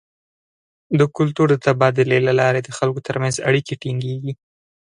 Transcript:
د کلتور د تبادلې له لارې د خلکو تر منځ اړیکې ټینګیږي.